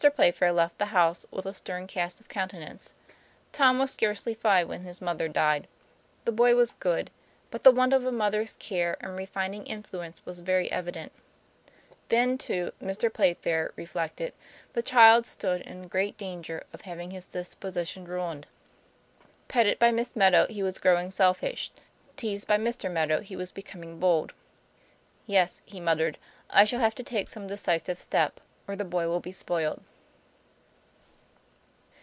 Playfair left the house with a stern cast of countenance. Tom was scarcely five when his mother died. The boy was good but the want of a mother's TOM PLA YFAIR. 1 7 care and refining influence was very evident. Then too, Mr. Playfair reflected, the child stood in great danger of having his disposition ruined. Petted by Miss Meadow, he was growing selfish; teased by Mr. Meadow, he was becoming bold. "Yes," he muttered, "I shall have to take some decisive step, or the boy will be spoiled."